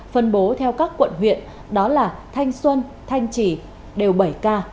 phân bố theo các quận huyện đó là thanh xuân thanh trì đều bảy k